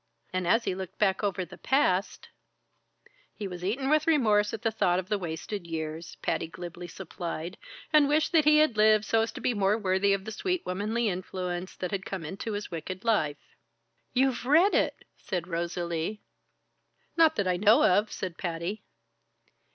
And as he looked back over the past " "He was eaten with remorse at the thought of the wasted years," Patty glibly supplied, "and wished that he had lived so as to be more worthy of the sweet, womanly influence that had come into his wicked life." "You've read it!" said Rosalie. "Not that I know of," said Patty.